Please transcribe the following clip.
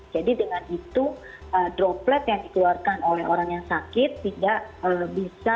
jadi dengan itu droplet yang dikeluarkan oleh orang yang sakit tidak bisa dihasilkan